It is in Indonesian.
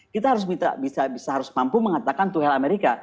kita harus mampu mengatakan to health amerika